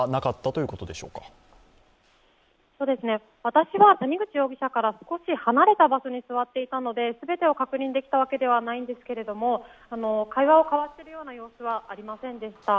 そうですね、私は谷口容疑者から少し離れた場所に座っていたので全てを確認できたわけではないんですが、会話を交わしているような様子はありませんでした。